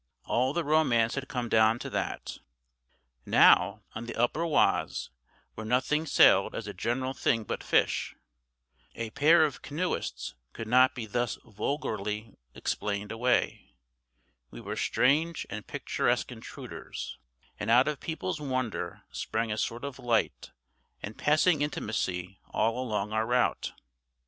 All the romance had come down to that. Now, on the upper Oise, where nothing sailed as a general thing but fish, a pair of canoeists could not be thus vulgarly explained away; we were strange and picturesque intruders; and out of people's wonder sprang a sort of light and passing intimacy all along our route.